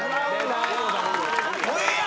ええやん！